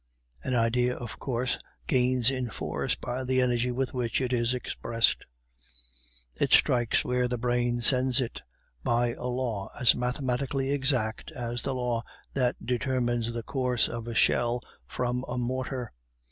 An idea, of course, gains in force by the energy with which it is expressed; it strikes where the brain sends it, by a law as mathematically exact as the law that determines the course of a shell from a mortar.